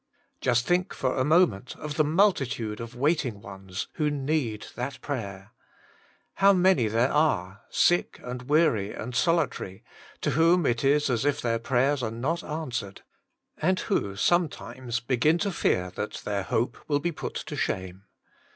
Just think for a moment of the multitude of waiting ones who need that prayer ; how many there are, sick and weary and solitary, to whom it is as if their prayers are not answered, and who sometimes begin to fear that their hope will be put to shame.